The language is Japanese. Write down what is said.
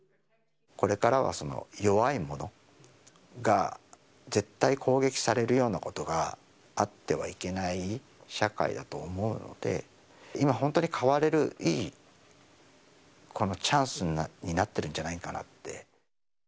これからは弱い者が、絶対、攻撃されるようなことがあってはいけない社会だと思うので、今、本当に変われる、いいこのチャンスになってるんじゃないかなって。